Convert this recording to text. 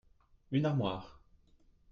Une armoire.